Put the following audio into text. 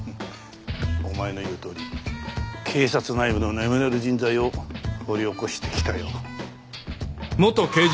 お前の言うとおり警察内部の眠れる人材を掘り起こしてきたよ。